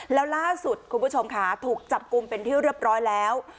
แล้วล่าสุดคุณผู้ชมค่ะถูกจับกลุ่มเป็นที่เรียบร้อยแล้ว